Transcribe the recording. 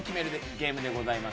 ゲームでございます。